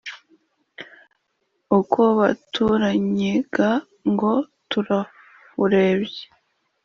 Ukwo batunnyega ngo turafurebye,